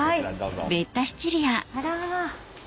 あら。